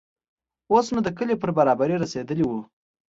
اوس نو د کلي پر برابري رسېدلي وو.